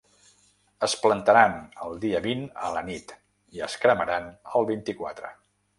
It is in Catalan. Es plantaran el dia vint a la nit i es cremaran el vint-i-quatre.